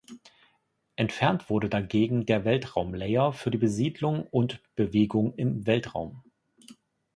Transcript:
Entfernt wurde dagegen der Weltraum-Layer für die Besiedlung und Bewegung im Weltraum.